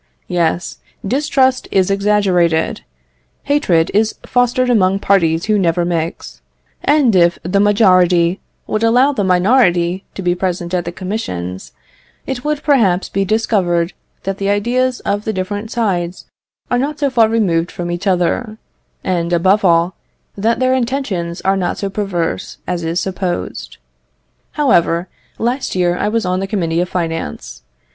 Yes, distrust is exaggerated, hatred is fostered among parties who never mix; and if the majority would allow the minority to be present at the Commissions, it would perhaps be discovered that the ideas of the different sides are not so far removed from each other; and, above all, that their intentions are not so perverse as is supposed. However, last year I was on the Committee of Finance.